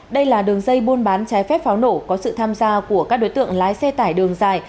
đây là đường dây buôn bán trái phép pháo nổ có sự tham gia của các đối tượng lái xe tải đường dài